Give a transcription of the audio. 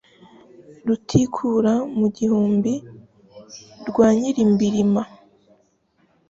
Rutikura mu gihumbi rwa Nyirimbirima,